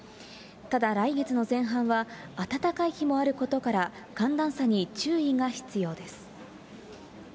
ただ、来月の前半は暖かい日もあることから、寒暖差に注意が必要です。